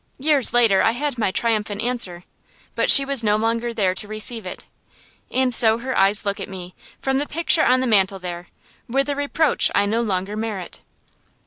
Years later I had my triumphant answer, but she was no longer there to receive it; and so her eyes look at me, from the picture on the mantel there, with a reproach I no longer merit.